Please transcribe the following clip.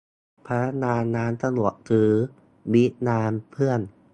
พนักงานร้านสะดวกซื้อบรีฟงานเพื่อน